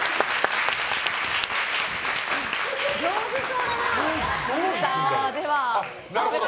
上手そうだな。